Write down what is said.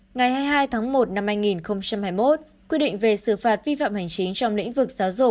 ngày hai mươi hai tháng một năm hai nghìn hai mươi một quy định về xử phạt vi phạm hành chính trong lĩnh vực giáo dục